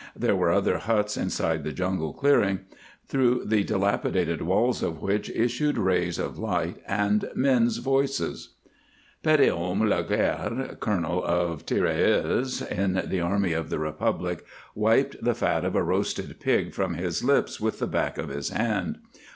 There were other huts inside the jungle clearing, through the dilapidated walls of which issued rays of light and men's voices. Petithomme Laguerre, colonel of tirailleurs, in the army of the Republic, wiped the fat of a roasted pig from his lips with the back of his hand.